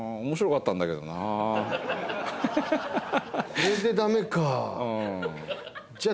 これでダメか。